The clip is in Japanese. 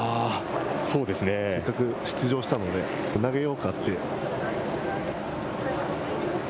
せっかく出場したので、投げようかって。